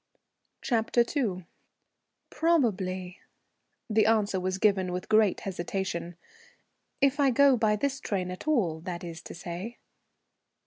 CHAPTER II. "Probably." The answer was given with great hesitation. "If I go by this train at all, that is to say."